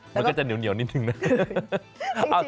มันก็จะเหนียวนิดนึงนะ